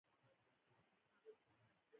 • د آرامۍ لپاره کله ناکله چوپتیا ضروري ده.